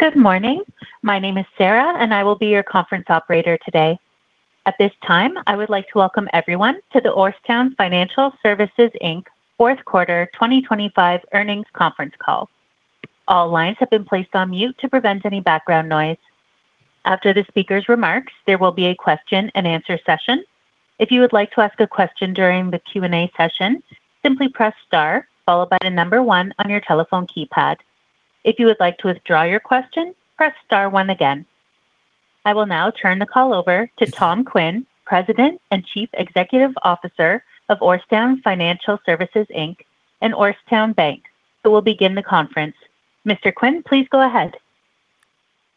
Good morning. My name is Sarah, and I will be your conference operator today. At this time, I would like to welcome everyone to the Orrstown Financial Services, Inc., Fourth Quarter 2025 Earnings Conference Call. All lines have been placed on mute to prevent any background noise. After the speaker's remarks, there will be a question and answer session. If you would like to ask a question during the Q&A session, simply press star followed by the number 1 on your telephone keypad. If you would like to withdraw your question, press star one again. I will now turn the call over to Tom Quinn, President and Chief Executive Officer of Orrstown Financial Services, Inc., and Orrstown Bank, who will begin the conference. Mr. Quinn, please go ahead.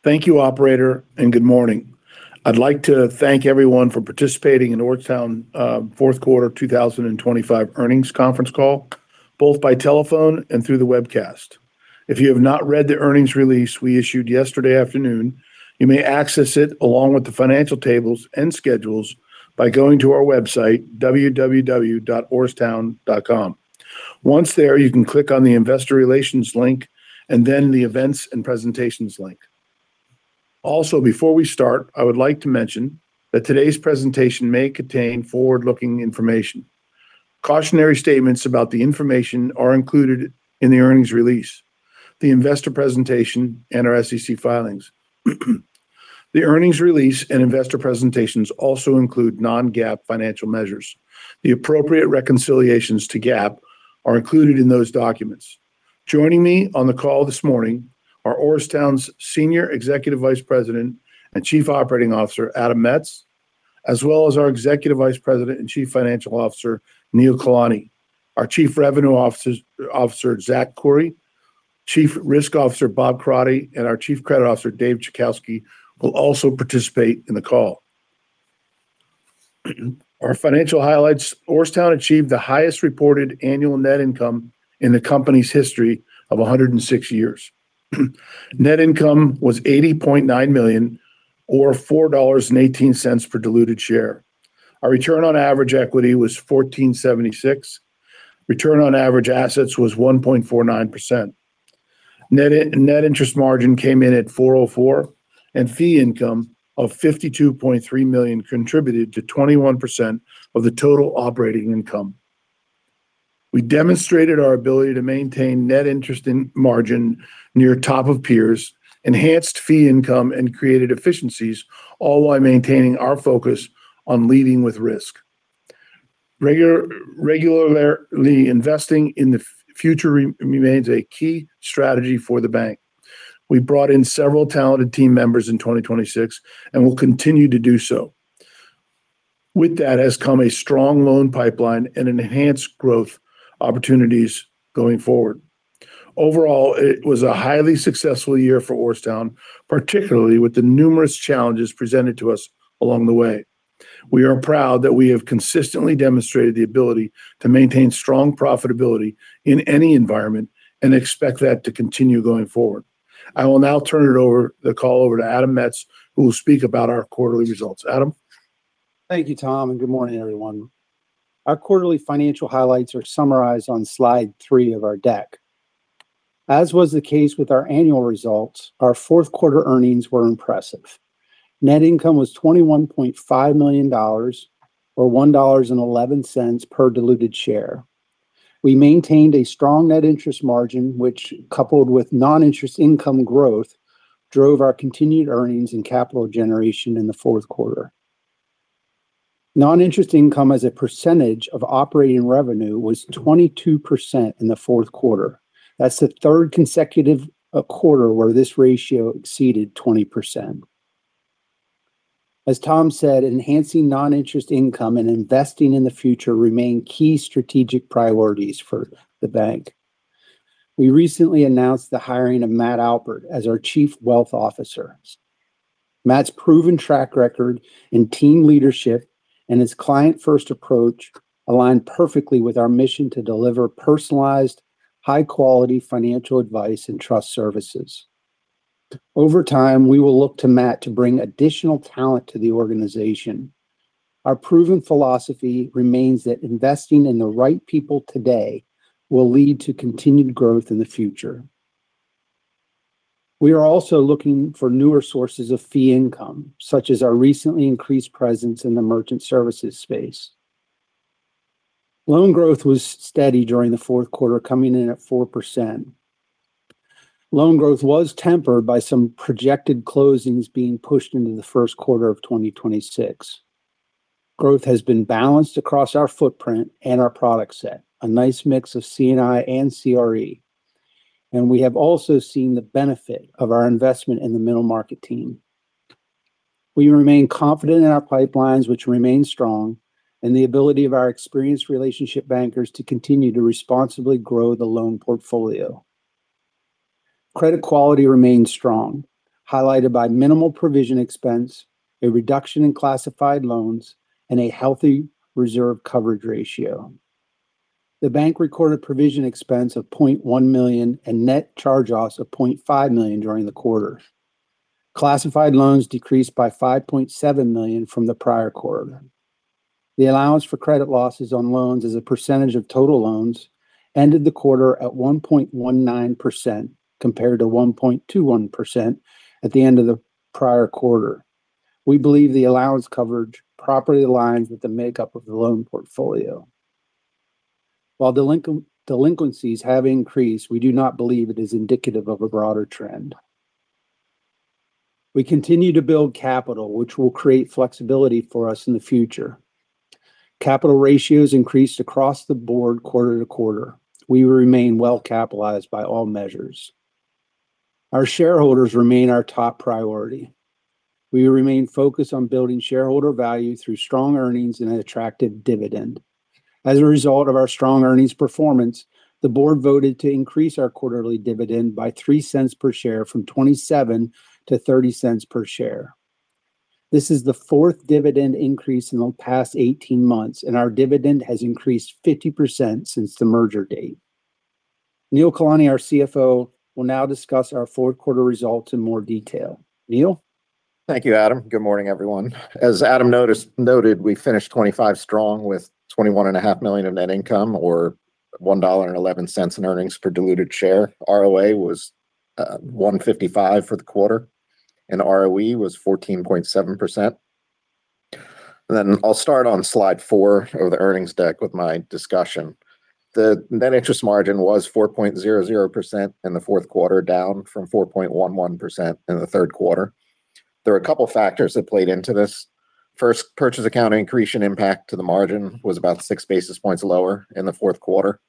Thank you, operator, and good morning. I'd like to thank everyone for participating in Orrstown, Fourth Quarter 2025 Earnings conference call, both by telephone and through the webcast. If you have not read the earnings release we issued yesterday afternoon, you may access it along with the financial tables and schedules by going to our website, www.orrstown.com. Once there, you can click on the Investor Relations link and then the Events and Presentations link. Also, before we start, I would like to mention that today's presentation may contain forward-looking information. Cautionary statements about the information are included in the earnings release, the investor presentation, and our SEC filings. The earnings release and investor presentations also include non-GAAP financial measures. The appropriate reconciliations to GAAP are included in those documents. Joining me on the call this morning are Orrstown's Senior Executive Vice President and Chief Operating Officer, Adam Metz, as well as our Executive Vice President and Chief Financial Officer, Neil Kalani. Our Chief Revenue Officer, Zachary Khuri, Chief Risk Officer Bob Corradi, and our Chief Credit Officer, David Chajkowski, will also participate in the call. Our financial highlights. Orrstown achieved the highest reported annual net income in the company's history of 106 years. Net income was $80.9 million, or $4.18 per diluted share. Our return on average equity was 14.76. Return on average assets was 1.49%. Net interest margin came in at 4.04, and fee income of $52.3 million contributed to 21% of the total operating income. We demonstrated our ability to maintain net interest margin near top of peers, enhanced fee income, and created efficiencies, all while maintaining our focus on leading with risk. Regularly investing in the future remains a key strategy for the bank. We brought in several talented team members in 2026 and will continue to do so. With that has come a strong loan pipeline and enhanced growth opportunities going forward. Overall, it was a highly successful year for Orrstown, particularly with the numerous challenges presented to us along the way. We are proud that we have consistently demonstrated the ability to maintain strong profitability in any environment and expect that to continue going forward. I will now turn the call over to Adam Metz, who will speak about our quarterly results. Adam? Thank you, Tom, and good morning, everyone. Our quarterly financial highlights are summarized on slide three of our deck. As was the case with our annual results, our fourth quarter earnings were impressive. Net income was $21.5 million or $1.11 per diluted share. We maintained a strong net interest margin, which, coupled with non-interest income growth, drove our continued earnings and capital generation in the fourth quarter. Non-interest income as a percentage of operating revenue was 22% in the fourth quarter. That's the third consecutive quarter where this ratio exceeded 20%. As Tom said, enhancing non-interest income and investing in the future remain key strategic priorities for the bank. We recently announced the hiring of Matt Alpert as our Chief Wealth Officer. Matt's proven track record in team leadership and his client-first approach align perfectly with our mission to deliver personalized, high-quality financial advice and trust services. Over time, we will look to Matt to bring additional talent to the organization. Our proven philosophy remains that investing in the right people today will lead to continued growth in the future. We are also looking for newer sources of fee income, such as our recently increased presence in the merchant services space. Loan growth was steady during the fourth quarter, coming in at 4%. Loan growth was tempered by some projected closings being pushed into the first quarter of 2026. Growth has been balanced across our footprint and our product set, a nice mix of C&I and CRE, and we have also seen the benefit of our investment in the middle market team. We remain confident in our pipelines, which remain strong, and the ability of our experienced relationship bankers to continue to responsibly grow the loan portfolio. Credit quality remains strong, highlighted by minimal provision expense, a reduction in classified loans, and a healthy reserve coverage ratio. The bank recorded provision expense of $0.1 million and net charge-offs of $0.5 million during the quarter. Classified loans decreased by $5.7 million from the prior quarter. The allowance for credit losses on loans as a percentage of total loans ended the quarter at 1.19%, compared to 1.21% at the end of the prior quarter. We believe the allowance coverage properly aligns with the makeup of the loan portfolio. While delinquencies have increased, we do not believe it is indicative of a broader trend. We continue to build capital, which will create flexibility for us in the future. Capital ratios increased across the board quarter to quarter. We remain well capitalized by all measures. Our shareholders remain our top priority. We remain focused on building shareholder value through strong earnings and an attractive dividend. As a result of our strong earnings performance, the board voted to increase our quarterly dividend by $0.03 per share from $0.27 to $0.30 per share. This is the fourth dividend increase in the past 18 months, and our dividend has increased 50% since the merger date. Neil Kalani, our CFO, will now discuss our fourth quarter results in more detail. Neil? Thank you, Adam. Good morning, everyone. As Adam noted, we finished 2025 strong with $21.5 million in net income, or $1.11 in earnings per diluted share. ROA was 1.55 for the quarter, and ROE was 14.7%. Then I'll start on slide four of the earnings deck with my discussion. The net interest margin was 4.00% in the fourth quarter, down from 4.11% in the third quarter. There are a couple of factors that played into this. First, purchase accounting accretion impact to the margin was about six basis points lower in the fourth quarter.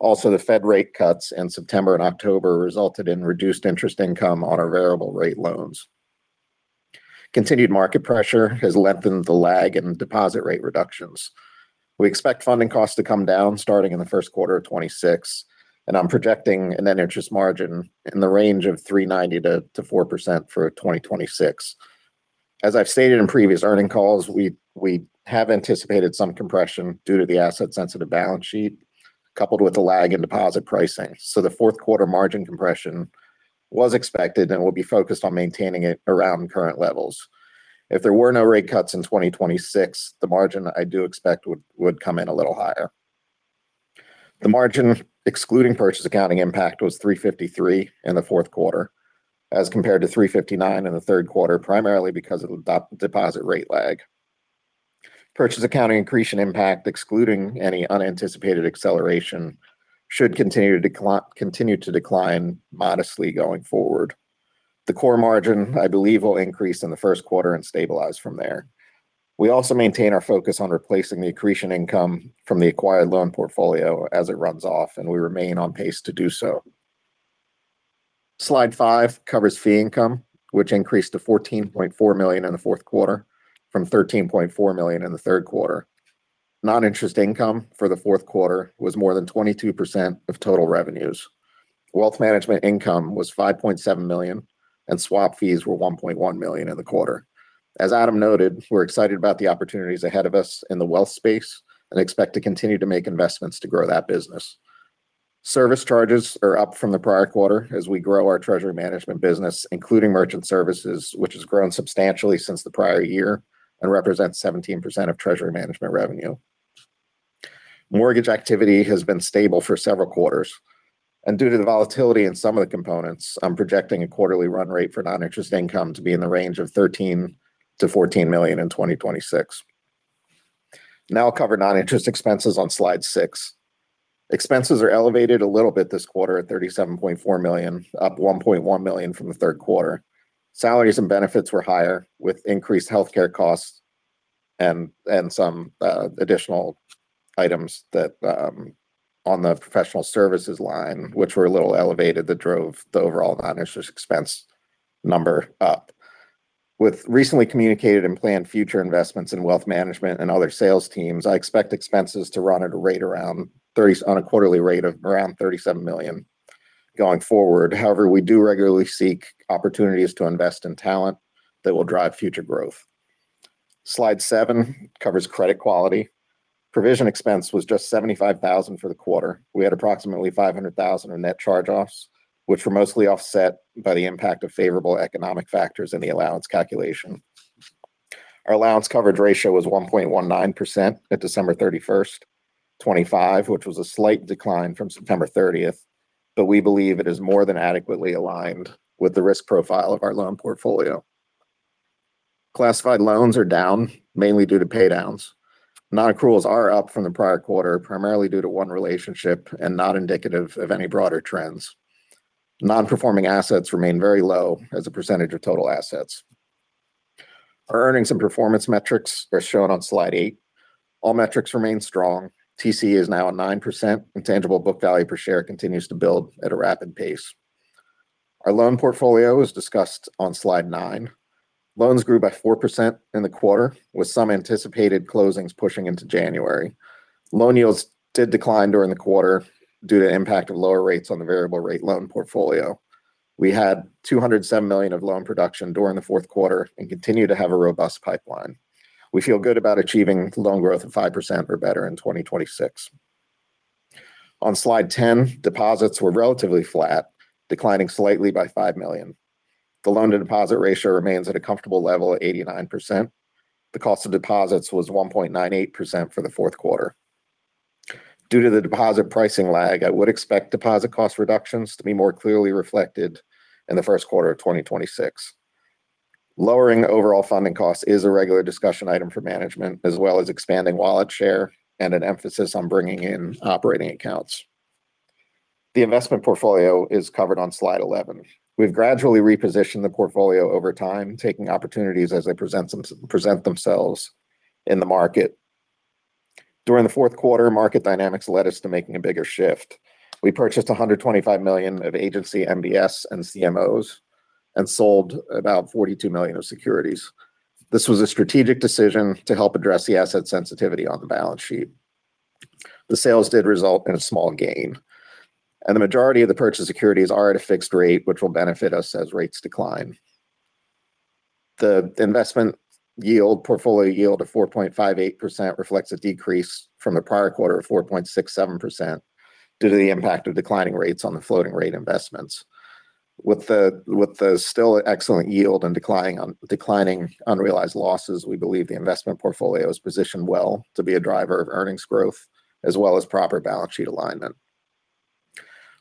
Also, the Fed rate cuts in September and October resulted in reduced interest income on our variable rate loans. Continued market pressure has lengthened the lag in deposit rate reductions. We expect funding costs to come down starting in the first quarter of 2026, and I'm projecting a net interest margin in the range of 3.90%-4% for 2026. As I've stated in previous earnings calls, we have anticipated some compression due to the asset-sensitive balance sheet, coupled with a lag in deposit pricing. So the fourth quarter margin compression was expected and will be focused on maintaining it around current levels. If there were no rate cuts in 2026, the margin I do expect would come in a little higher. The margin, excluding purchase accounting impact, was 3.53 in the fourth quarter, as compared to 3.59 in the third quarter, primarily because of the deposit rate lag. Purchase accounting accretion impact, excluding any unanticipated acceleration, should continue to decline modestly going forward. The core margin, I believe, will increase in the first quarter and stabilize from there. We also maintain our focus on replacing the accretion income from the acquired loan portfolio as it runs off, and we remain on pace to do so. Slide five covers fee income, which increased to $14.4 million in the fourth quarter from $13.4 million in the third quarter. Non-interest income for the fourth quarter was more than 22% of total revenues. Wealth management income was $5.7 million, and swap fees were $1.1 million in the quarter. As Adam noted, we're excited about the opportunities ahead of us in the wealth space and expect to continue to make investments to grow that business. Service charges are up from the prior quarter as we grow our treasury management business, including merchant services, which has grown substantially since the prior year and represents 17% of treasury management revenue. Mortgage activity has been stable for several quarters, and due to the volatility in some of the components, I'm projecting a quarterly run rate for non-interest income to be in the range of $13 million-$14 million in 2026. Now I'll cover non-interest expenses on slide six. Expenses are elevated a little bit this quarter at $37.4 million, up $1.1 million from the third quarter. Salaries and benefits were higher, with increased healthcare costs and additional items that on the professional services line, which were a little elevated that drove the overall non-interest expense number up. With recently communicated and planned future investments in wealth management and other sales teams, I expect expenses to run at a rate around $37 million on a quarterly rate going forward. However, we do regularly seek opportunities to invest in talent that will drive future growth. Slide seven covers credit quality. Provision expense was just $75,000 for the quarter. We had approximately $500,000 in net charge-offs, which were mostly offset by the impact of favorable economic factors in the allowance calculation. Our allowance coverage ratio was 1.19% at December 31, 2025, which was a slight decline from September 30, but we believe it is more than adequately aligned with the risk profile of our loan portfolio. Classified loans are down, mainly due to pay downs. Non-accruals are up from the prior quarter, primarily due to one relationship and not indicative of any broader trends. Non-performing assets remain very low as a percentage of total assets. Our earnings and performance metrics are shown on slide eight. All metrics remain strong. TC is now at 9%, and tangible book value per share continues to build at a rapid pace. Our loan portfolio is discussed on slide nine. Loans grew by 4% in the quarter, with some anticipated closings pushing into January. Loan yields did decline during the quarter due to impact of lower rates on the variable rate loan portfolio. We had $207 million of loan production during the fourth quarter and continue to have a robust pipeline. We feel good about achieving loan growth of 5% or better in 2026. On slide 10, deposits were relatively flat, declining slightly by $5 million. The loan-to-deposit ratio remains at a comfortable level of 89%. The cost of deposits was 1.98% for the fourth quarter. Due to the deposit pricing lag, I would expect deposit cost reductions to be more clearly reflected in the first quarter of 2026. Lowering overall funding costs is a regular discussion item for management, as well as expanding wallet share and an emphasis on bringing in operating accounts. The investment portfolio is covered on slide 11. We've gradually repositioned the portfolio over time, taking opportunities as they present themselves in the market. During the fourth quarter, market dynamics led us to making a bigger shift. We purchased $125 million of Agency MBS and CMOs and sold about $42 million of securities. This was a strategic decision to help address the asset sensitivity on the balance sheet. The sales did result in a small gain, and the majority of the purchased securities are at a fixed rate, which will benefit us as rates decline. The investment yield, portfolio yield of 4.58% reflects a decrease from the prior quarter of 4.67% due to the impact of declining rates on the floating rate investments. With the still excellent yield and declining unrealized losses, we believe the investment portfolio is positioned well to be a driver of earnings growth, as well as proper balance sheet alignment.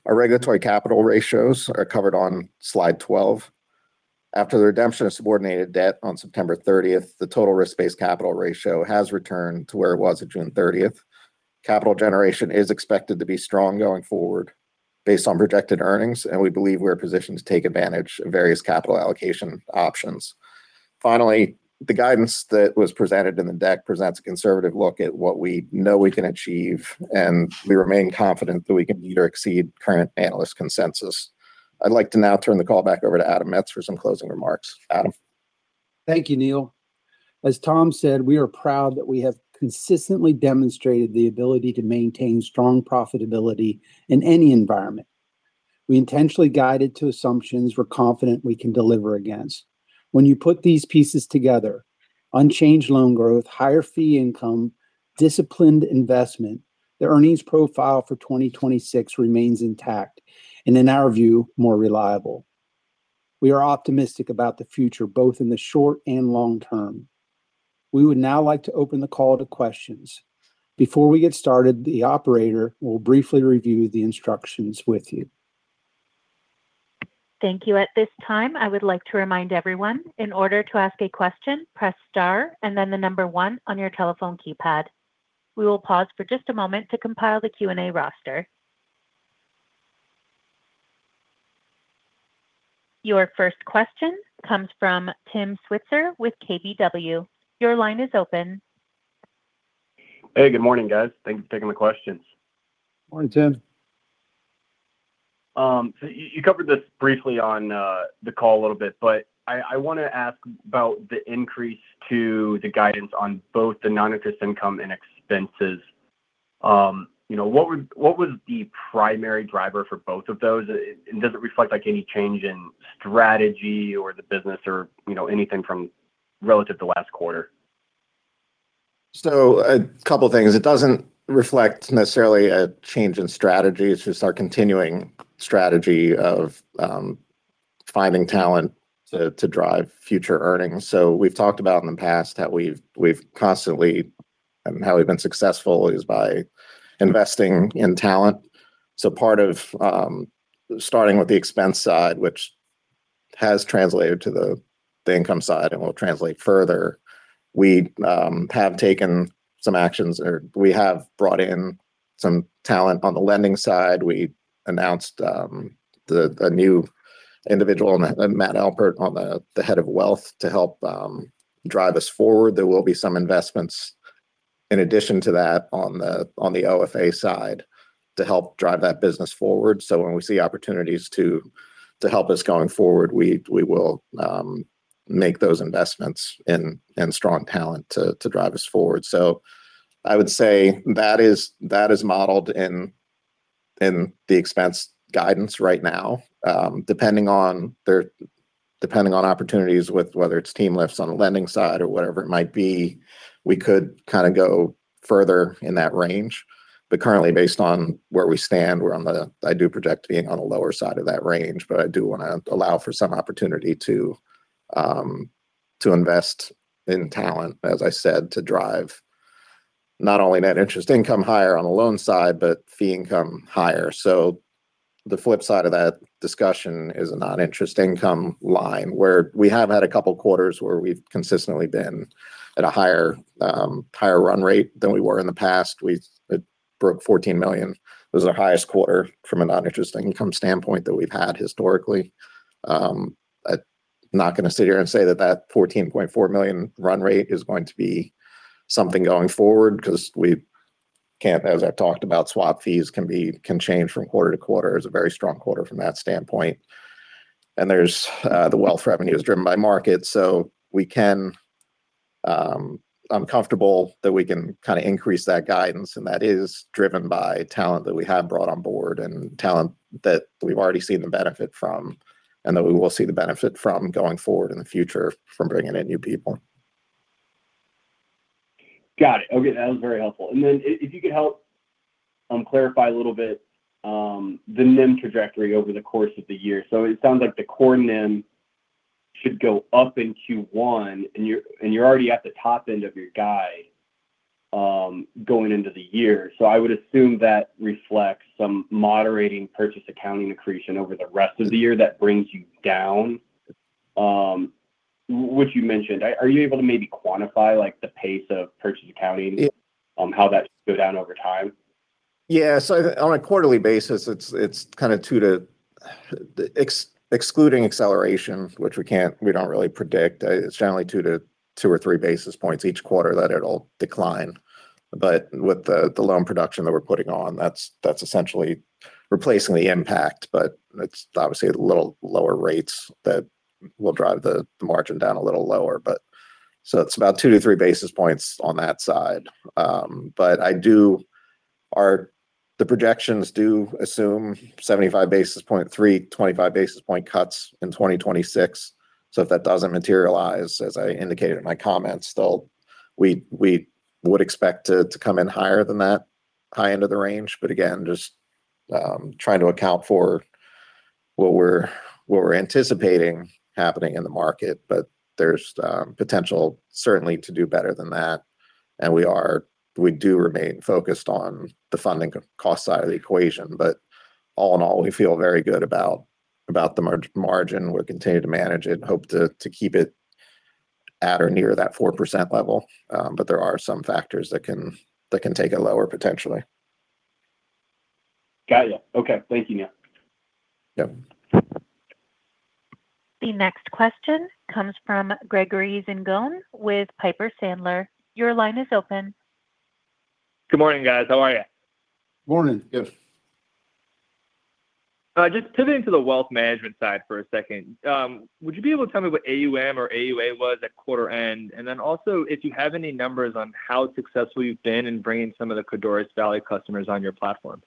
Our regulatory capital ratios are covered on slide 12. After the redemption of subordinated debt on September thirtieth, the total risk-based capital ratio has returned to where it was at June thirtieth. Capital generation is expected to be strong going forward based on projected earnings, and we believe we're positioned to take advantage of various capital allocation options. Finally, the guidance that was presented in the deck presents a conservative look at what we know we can achieve, and we remain confident that we can meet or exceed current analyst consensus. I'd like to now turn the call back over to Adam Metz for some closing remarks. Adam? Thank you, Neil. As Tom said, we are proud that we have consistently demonstrated the ability to maintain strong profitability in any environment. We intentionally guided to assumptions we're confident we can deliver against. When you put these pieces together: unchanged loan growth, higher fee income, disciplined investment, the earnings profile for 2026 remains intact and, in our view, more reliable. We are optimistic about the future, both in the short and long term. We would now like to open the call to questions. Before we get started, the operator will briefly review the instructions with you. Thank you. At this time, I would like to remind everyone, in order to ask a question, press star and then the number one on your telephone keypad. We will pause for just a moment to compile the Q&A roster. Your first question comes from Tim Switzer with KBW. Your line is open. Hey, good morning, guys. Thanks for taking the questions. Morning, Tim. So you covered this briefly on the call a little bit, but I want to ask about the increase to the guidance on both the non-interest income and expenses. You know, what was the primary driver for both of those? And does it reflect, like, any change in strategy or the business or, you know, anything from relative to last quarter? So a couple of things. It doesn't reflect necessarily a change in strategy. It's just our continuing strategy of finding talent to drive future earnings. So we've talked about in the past that we've constantly how we've been successful is by investing in talent. So part of starting with the expense side, which has translated to the income side and will translate further, we have taken some actions or we have brought in some talent on the lending side. We announced a new individual, Matt Alpert, on the head of wealth to help drive us forward. There will be some investments in addition to that on the OFA side to help drive that business forward. So when we see opportunities to help us going forward, we will make those investments in strong talent to drive us forward. So I would say that is modeled in the expense guidance right now. Depending on opportunities with whether it's team lifts on the lending side or whatever it might be, we could kind of go further in that range. But currently, based on where we stand, we're on the... I do project being on the lower side of that range, but I do want to allow for some opportunity to invest in talent, as I said, to drive not only net interest income higher on the loan side, but fee income higher. So the flip side of that discussion is a non-interest income line, where we have had a couple quarters where we've consistently been at a higher, higher run rate than we were in the past. It broke $14 million. It was our highest quarter from a non-interest income standpoint that we've had historically. I'm not going to sit here and say that that $14.4 million run rate is going to be something going forward because we can't, as I've talked about, swap fees can change from quarter to quarter. It's a very strong quarter from that standpoint. And there's the wealth revenue is driven by market, so we can... I'm comfortable that we can kind of increase that guidance, and that is driven by talent that we have brought on board and talent that we've already seen the benefit from, and that we will see the benefit from going forward in the future from bringing in new people. Got it. Okay, that was very helpful. And then if you could help clarify a little bit the NIM trajectory over the course of the year. So it sounds like the core NIM should go up in Q1, and you're already at the top end of your guide going into the year. So I would assume that reflects some moderating Purchase Accounting Accretion over the rest of the year that brings you down, which you mentioned. Are you able to maybe quantify, like, the pace of purchase accounting- Yeah. How that should go down over time? Yeah. So on a quarterly basis, it's kind of, excluding acceleration, which we can't- we don't really predict. It's generally two, to two or three basis points each quarter that it'll decline. But with the loan production that we're putting on, that's essentially replacing the impact, but it's obviously a little lower rates that will drive the margin down a little lower. But so it's about two-three basis points on that side. But I do. Our projections do assume 75 basis point, 3.25 basis point cuts in 2026. So if that doesn't materialize, as I indicated in my comments, they'll- we would expect it to come in higher than that, high end of the range. But again, just trying to account for what we're anticipating happening in the market. But there's potential certainly to do better than that. And we are - we do remain focused on the funding cost side of the equation. But all in all, we feel very good about the margin. We'll continue to manage it and hope to keep it at or near that 4% level. But there are some factors that can take it lower, potentially. Got you. Okay. Thank you. Yep. The next question comes from Gregory Zingone with Piper Sandler. Your line is open. Good morning, guys. How are you? Morning. Good. Just pivoting to the wealth management side for a second. Would you be able to tell me what AUM or AUA was at quarter end? And then also, if you have any numbers on how successful you've been in bringing some of the Codorus Valley customers on your platform?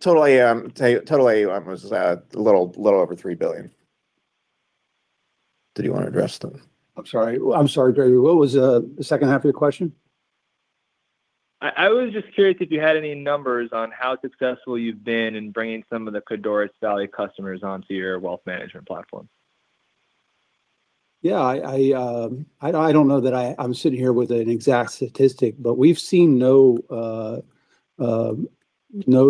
Total AM, total AUM was a little over $3 billion. Did you want to address them? I'm sorry. I'm sorry, Gregory. What was the second half of your question? I was just curious if you had any numbers on how successful you've been in bringing some of the Codorus Valley customers onto your wealth management platform? Yeah, I don't know that I'm sitting here with an exact statistic, but we've seen no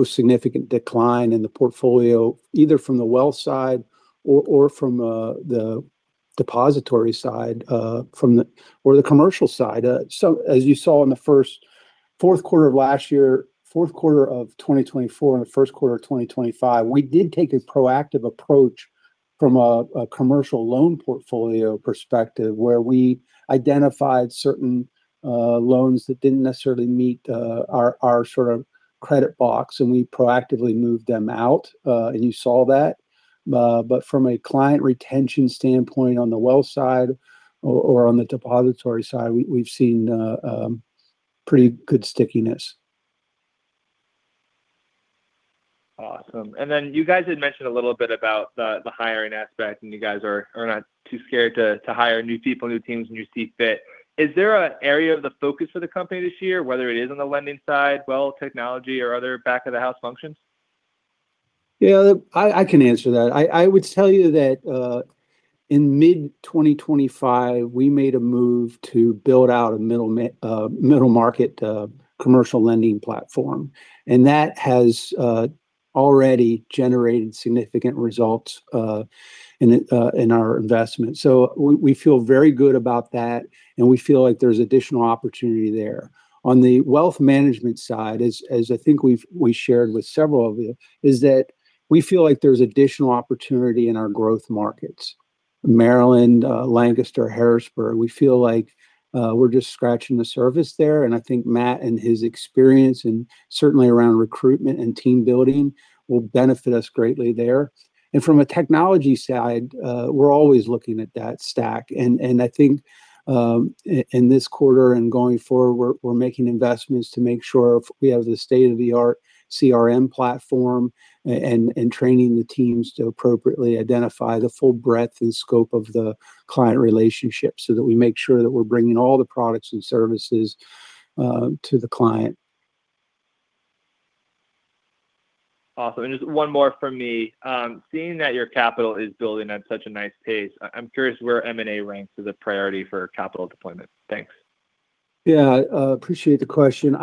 significant decline in the portfolio, either from the wealth side or from the depository side, from the commercial side. So as you saw in the fourth quarter of last year, fourth quarter of 2024 and the first quarter of 2025, we did take a proactive approach from a commercial loan portfolio perspective, where we identified certain loans that didn't necessarily meet our sort of credit box, and we proactively moved them out. And you saw that. But from a client retention standpoint on the wealth side or on the depository side, we've seen pretty good stickiness. Awesome. And then you guys had mentioned a little bit about the hiring aspect, and you guys are not too scared to hire new people, new teams, and you see fit. Is there an area of the focus for the company this year, whether it is on the lending side, wealth, technology, or other back-of-the-house functions? Yeah, I can answer that. I would tell you that in mid-2025, we made a move to build out a middle-market commercial lending platform, and that has already generated significant results in our investment. So we feel very good about that, and we feel like there's additional opportunity there. On the wealth management side, as I think we've shared with several of you, is that we feel like there's additional opportunity in our growth markets, Maryland, Lancaster, Harrisburg. We feel like we're just scratching the surface there, and I think Matt and his experience, and certainly around recruitment and team building, will benefit us greatly there. And from a technology side, we're always looking at that stack. And I think in this quarter and going forward, we're making investments to make sure we have the state-of-the-art CRM platform and training the teams to appropriately identify the full breadth and scope of the client relationship so that we make sure that we're bringing all the products and services to the client. Awesome. And just one more from me. Seeing that your capital is building at such a nice pace, I'm curious where M&A ranks as a priority for capital deployment. Thanks. Yeah, appreciate the question.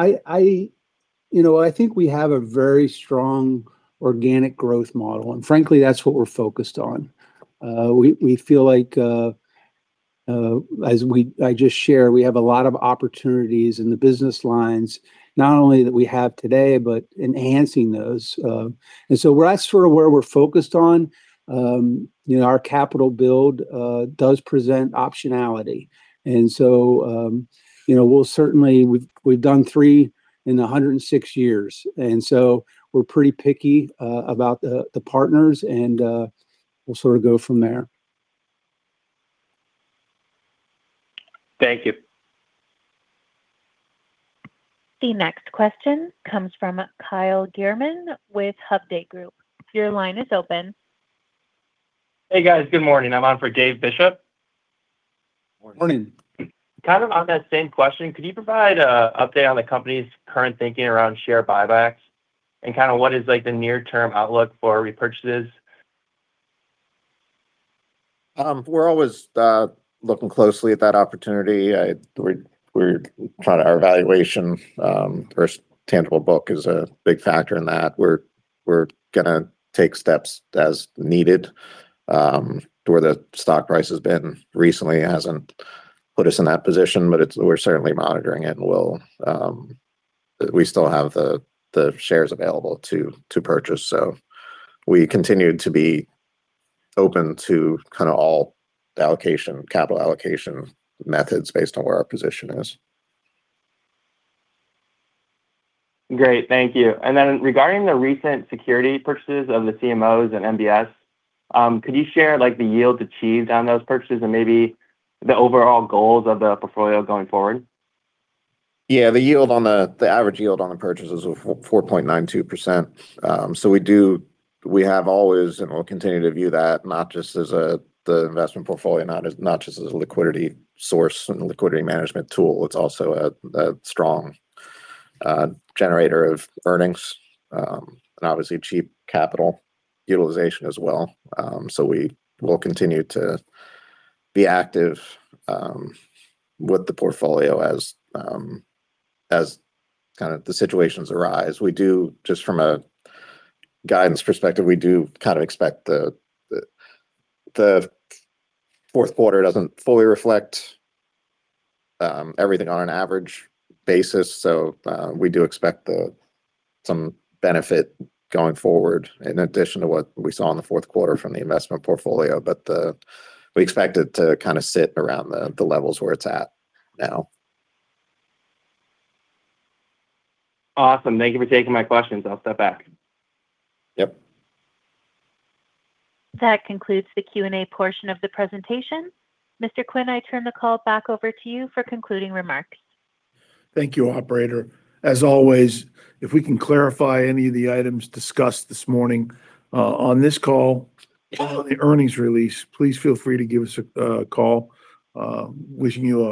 You know, I think we have a very strong organic growth model, and frankly, that's what we're focused on. We feel like, as I just shared, we have a lot of opportunities in the business lines, not only that we have today, but enhancing those. And so that's sort of where we're focused on. You know, our capital build does present optionality. And so, you know, we'll certainly – we've done three in 106 years, and so we're pretty picky about the partners, and we'll sort of go from there. Thank you. The next question comes from Kyle Gierman with Hovde Group. Your line is open. Hey, guys. Good morning. I'm on for Dave Bishop. Morning. Kind of on that same question, could you provide an update on the company's current thinking around share buybacks, and kind of what is, like, the near-term outlook for repurchases? We're always looking closely at that opportunity. We're trying to. Our evaluation, first tangible book is a big factor in that. We're gonna take steps as needed to where the stock price has been recently hasn't put us in that position, but it's, we're certainly monitoring it, and we'll. We still have the shares available to purchase. So we continue to be open to kind of all allocation, capital allocation methods based on where our position is. Great, thank you. And then regarding the recent securities purchases of the CMOs and MBS, could you share, like, the yields achieved on those purchases and maybe the overall goals of the portfolio going forward? Yeah, the average yield on the purchases were 4.92%. So we have always, and we'll continue to view that not just as the investment portfolio, not just as a liquidity source and a liquidity management tool. It's also a strong generator of earnings, and obviously cheap capital utilization as well. So we will continue to be active with the portfolio as kind of the situations arise. We do, just from a guidance perspective, kind of expect the fourth quarter doesn't fully reflect everything on an average basis. So we do expect some benefit going forward, in addition to what we saw in the fourth quarter from the investment portfolio. We expect it to kind of sit around the levels where it's at now. Awesome. Thank you for taking my questions. I'll step back. Yep. That concludes the Q&A portion of the presentation. Mr. Quinn, I turn the call back over to you for concluding remarks. Thank you, operator. As always, if we can clarify any of the items discussed this morning on this call or on the earnings release, please feel free to give us a call. Wishing you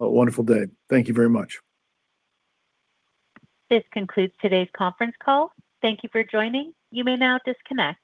a wonderful day. Thank you very much. This concludes today's conference call. Thank you for joining. You may now disconnect.